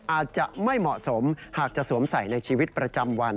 อาจจะไม่เหมาะสมหากจะสวมใส่ในชีวิตประจำวัน